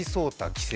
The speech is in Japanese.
棋聖。